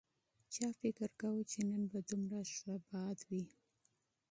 چا فکر کاوه چې نن به دومره ښه هوا وي